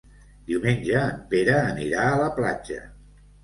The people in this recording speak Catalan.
Diumenge en Pere anirà a la platja.